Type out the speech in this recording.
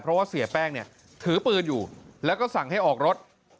เพราะว่าเสียแป้งเนี่ยถือปืนอยู่แล้วก็สั่งให้ออกรถ